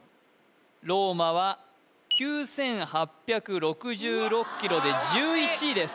ローマは９８６６ｋｍで１１位です・